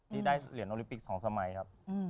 ที่ได้เหรียญโอลิปิก๒สมัยครับ